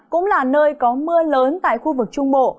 cũng là nơi có mưa lớn tại khu vực trung bộ